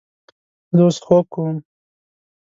زه اوس خوب کوم